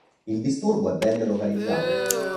Il disturbo è ben localizzato.